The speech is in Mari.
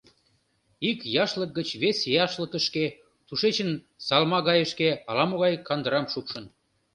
Ик яшлык гыч вес яшлыкышке, тушечын салма гайышке ала-могай кандырам шупшын.